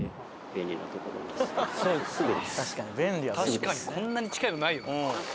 確かにこんなに近いのないよな。